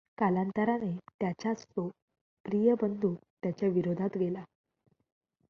कालांतराने त्याचाच तो प्रिय बंधू त्याच्या विरोधात गेला.